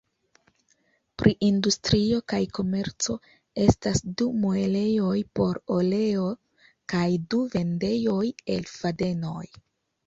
Pri industrio kaj komerco estis du muelejoj por oleo kaj du vendejoj el fadenoj.